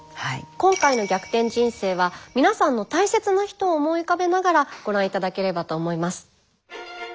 今回の「逆転人生」は皆さんの大切な人を思い浮かべながらご覧頂ければと思います。